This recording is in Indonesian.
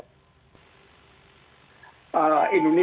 indonesia akan mendorong